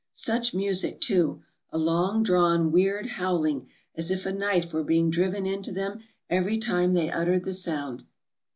Such music, too! A long drawn, weird howling, as if a knife were being driven into them every time they uttered the sound.